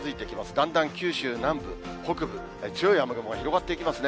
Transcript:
だんだん九州南部、北部、強い雨雲が広がっていきますね。